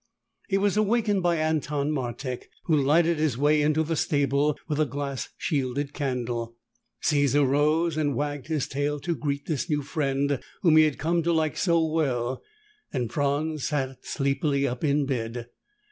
He was awakened by Anton Martek, who lighted his way into the stable with a glass shielded candle. Caesar rose and wagged his tail to greet this new friend whom he had come to like so well, and Franz sat sleepily up in bed.